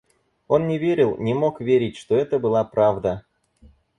Он не верил, не мог верить, что это была правда.